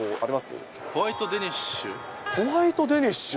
今村さん、ホワイトデニッシュ。